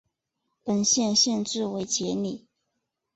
本县县治为杰里。